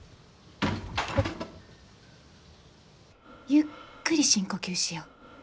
・ゆっくり深呼吸しよ。